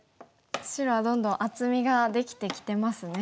白はどんどん厚みができてきてますね。